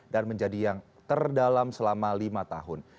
dan menjadi yang terdalam selama lima tahun